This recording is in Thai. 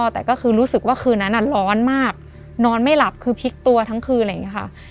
แต่ก็คือรู้สึกว่าคืนนั้นร้อนมากนอนไม่หลับคือพลิกตัวทั้งคืนอะไรอย่างนี้ค่ะ